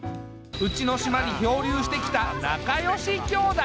うちの島に漂流してきた仲よし兄妹。